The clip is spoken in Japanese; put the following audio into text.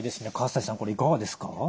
西さんこれいかがですか？